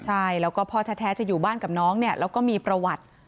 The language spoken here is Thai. ใช่แล้วก็พ่อแท้จะอยู่บ้านกับน้องเนี่ยแล้วก็มีประวัติ